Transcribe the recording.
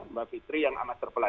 mbak fitri yang amat terpelaja